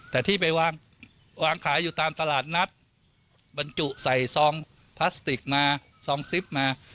แต่ที่ไปวางวางขายอยู่ตามตลาดนัดบรรจุใส่ซองพลาสติกมาซองซิปมา